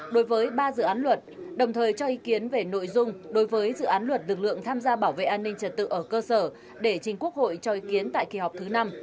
đối với ba dự án luật đồng thời cho ý kiến về nội dung đối với dự án luật lực lượng tham gia bảo vệ an ninh trật tự ở cơ sở để chính quốc hội cho ý kiến tại kỳ họp thứ năm